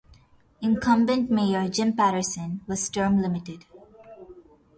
Incumbent mayor Jim Patterson was term limited.